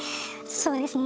そうですね。